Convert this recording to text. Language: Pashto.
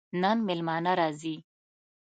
نن مېلمانه راځي